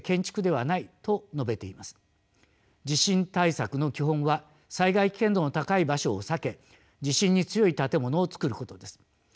地震対策の基本は災害危険度の高い場所を避け地震に強い建物を造ることです。